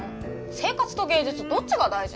生活と芸術どっちが大事？